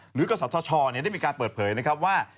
หรือกฎศาสตร์ชอบได้มีการเปิดเผยว่า